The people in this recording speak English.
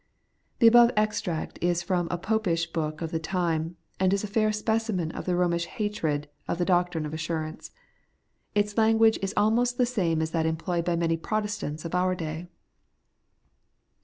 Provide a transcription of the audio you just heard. '' The above extract is from a Popish book of the time, and is a fair specimen of the Eomish hatred of the doctrine of assurance* Its language is almost the same as that employed by many Protestants of our day.